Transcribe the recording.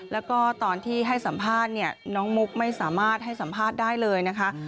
แล้วก็ตอนที่ให้สัมภาษณ์เนี่ยน้องมุกไม่สามารถให้สัมภาษณ์ได้เลยนะคะ